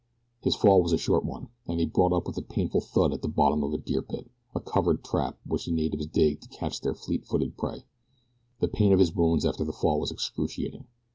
His fall was a short one, and he brought up with a painful thud at the bottom of a deer pit a covered trap which the natives dig to catch their fleet footed prey. The pain of his wounds after the fall was excruciating.